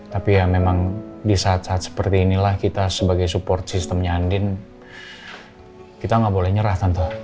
tapi ya memang di saat saat seperti inilah kita sebagai support systemnya andin kita nggak boleh nyerah tanpa